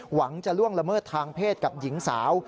หวังจะล่วงละเมิดทางเพศกับหญิงสาว